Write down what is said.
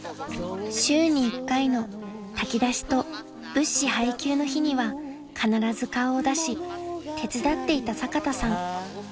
［週に１回の炊き出しと物資配給の日には必ず顔を出し手伝っていた坂田さん］